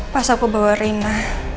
pas aku bawa rena